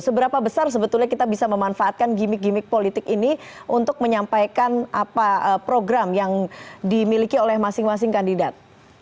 seberapa besar sebetulnya kita bisa memanfaatkan gimmick gimmick politik ini untuk menyampaikan apa program yang dimiliki oleh masing masing kandidat